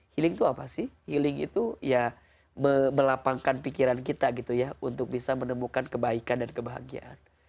healing itu apa sih healing itu ya melapangkan pikiran kita gitu ya untuk bisa menemukan kebaikan dan kebahagiaan